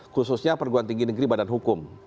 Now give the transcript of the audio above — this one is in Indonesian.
khususnya perguruan tinggi negeri badan hukum